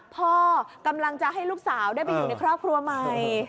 พ่อกำลังจะให้ลูกสาวได้ไปอยู่ในครอบครัวใหม่